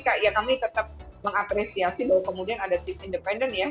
ya kami tetap mengapresiasi bahwa kemudian ada tim independen ya